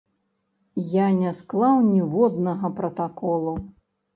Я не склаў ніводнага пратаколу.